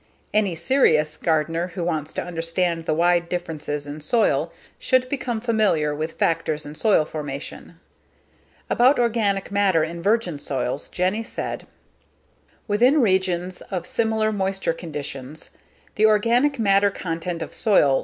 Any serious gardener who wants to understand the wide differences in soil should become familiar with Factors in Soil Formation. About organic matter in virgin soils, Jenny said: "Within regions of similar moisture conditions, the organic matter content of soil